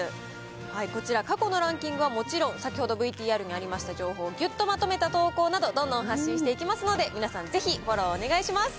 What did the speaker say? こちら、過去のランキングはもちろん、先ほどＶＴＲにもありました情報をぎゅっとまとめた投稿など、どんどん発信していきますので、皆さんぜひフォローをお願いします。